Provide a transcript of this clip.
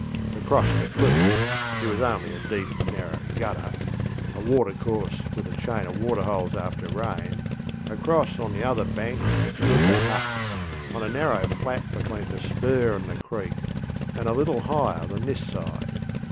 Across the creek (it was only a deep, narrow gutterŌĆö a water course with a chain of water holes after rain), across on the other bank, stood the hut, on a narrow flat between the spur and the creek, and a little higher than this side.